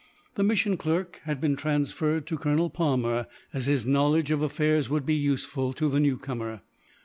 The mission clerk had been transferred to Colonel Palmer, as his knowledge of affairs would be useful to the newcomer.